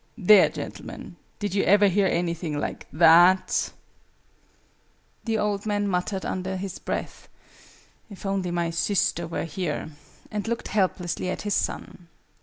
There, gentlemen! Did you ever hear anything like that?" The old man muttered under his breath "If only my sister were here!" and looked helplessly at his son.